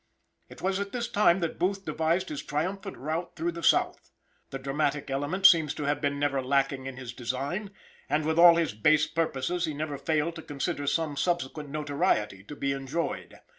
It was at this time that Booth devised his triumphant route through the South. The dramatic element seems to have been never lacking in his design, and with all his base purposes he never failed to consider some subsequent notoriety to be enjoyed.